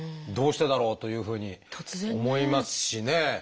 どうしてだろうというふうに思いますしね。